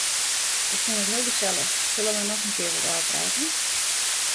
Ik fûn it heel gesellich, sille wy noch in kear wat ôfprate?